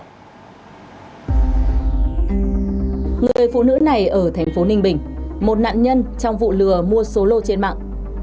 người phụ nữ này ở thành phố ninh bình một nạn nhân trong vụ lừa mua số lô trên mạng